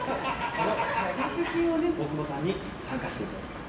このお囃子大久保さんに参加していただきます。